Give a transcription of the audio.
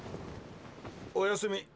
おやすみ。